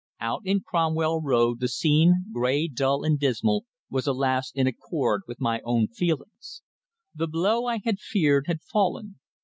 Out in Cromwell Road the scene, grey, dull and dismal, was, alas! in accord with my own feelings. The blow I had feared had fallen.